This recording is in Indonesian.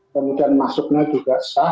kemudian masuknya juga sah